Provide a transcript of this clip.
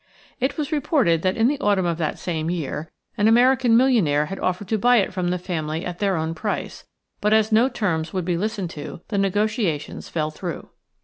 It was reported that in the autumn of that same year an American millionaire had offered to buy it from the family at their own price, but as no terms would be listened to the negotiations fell through.